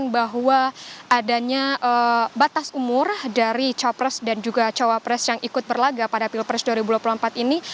bahwa adanya batas umur dari capres dan juga cawapres yang ikut berlaga pada pilpres dua ribu dua puluh empat ini